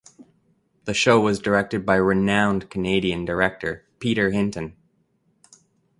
The show was directed by renowned Canadian director Peter Hinton.